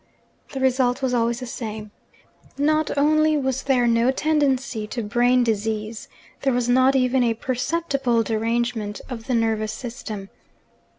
The result was always the same. Not only was there no tendency to brain disease there was not even a perceptible derangement of the nervous system.